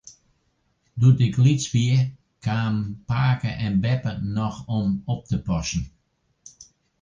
Doe't ik lyts wie, kamen pake en beppe noch om op te passen.